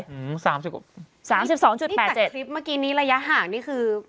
นี่ตัดคลิปเมื่อกี้นี้ระยะห่างนี่คือ